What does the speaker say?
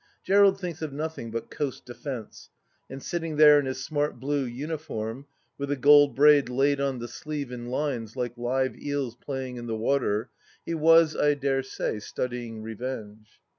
Gerald thinks of nothing but Coast Defence, and sitting there in his smart blue uniform, with the gold braid laid on the sleeve in lines like live eels playing in the water, he was, I dare say, studying revenge.